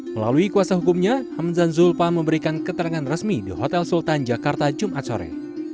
melalui kuasa hukumnya hamzan zulfa memberikan keterangan resmi di hotel sultan jakarta jumat sore